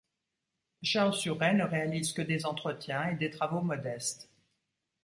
Charles Suret ne réalise que des entretiens et des travaux modestes.